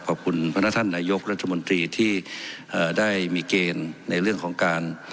พระนักท่านนายกรัฐมนตรีที่ได้มีเกณฑ์ในเรื่องของการ